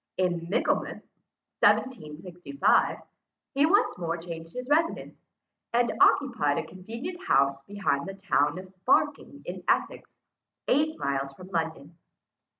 In Michaelmas 1765, he once more changed his residence, and occupied a convenient house behind the town of Barking in Essex, eight miles from London.